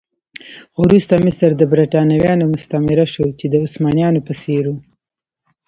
خو وروسته مصر د برېټانویانو مستعمره شو چې د عثمانيانو په څېر و.